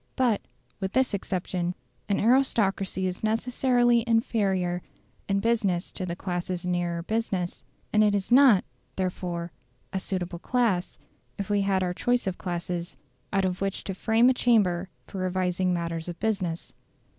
But, with this exception, an aristocracy is necessarily inferior in business to the classes nearer business; and it is not, therefore, a suitable class, if we had our choice of classes, out of which to frame a chamber for revising matters of business.